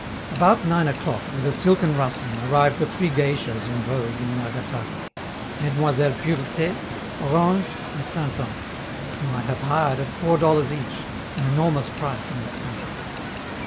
About nine o'clock, with a silken rustling, arrive the three geishas in vogue in Nagasaki: Mesdemoiselles Purete, Orange, and Printemps, whom I have hired at four dollars each an enormous price in this country.